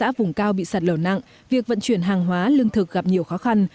xã vùng cao bị sạt lở nặng việc vận chuyển hàng hóa lương thực gặp nhiều khó khăn